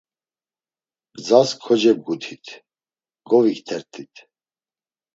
Gzas kocebgutit, goviktert̆it.